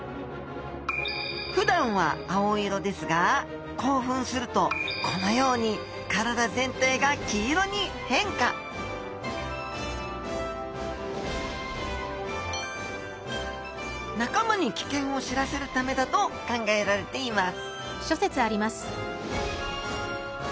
ふだんは青色ですが興奮するとこのように体全体が黄色に変化仲間に危険を知らせるためだと考えられています